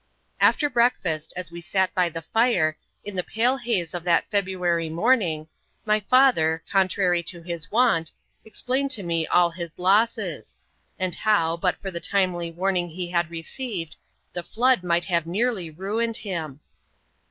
After breakfast, as we sat by the fire, in the pale haze of that February morning, my father, contrary to his wont, explained to me all his losses; and how, but for the timely warning he had received, the flood might have nearly ruined him.